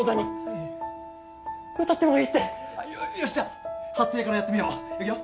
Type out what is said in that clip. いえ歌ってもいいってよしじゃあ発声からやってみよういくよ